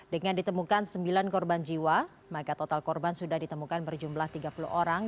dengan ditemukan sembilan korban jiwa maka total korban sudah ditemukan berjumlah tiga puluh orang